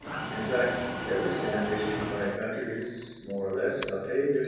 In fact, every stamp issued by a country is, more or less, a page of its history.